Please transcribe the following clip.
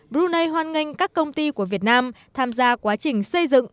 brunei hoan nghênh các công ty của việt nam tham gia quá trình xây dựng